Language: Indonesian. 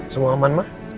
semua aman mah